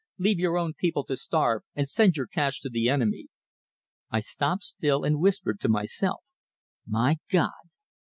Leave your own people to starve, and send your cash to the enemy." I stopped still, and whispered to myself, "My God!"